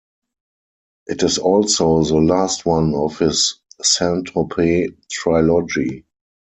It is also the last one of his "Saint-Tropez" trilogy.